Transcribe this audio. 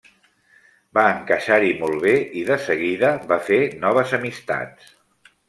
Va encaixar-hi molt bé i de seguida va fer noves amistats.